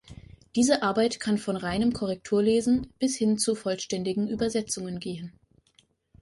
Diese Arbeit kann von reinem Korrekturlesen bis hin zu vollständigen Übersetzungen gehen.